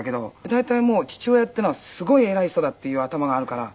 大体父親っていうのはすごい偉い人だっていう頭があるから。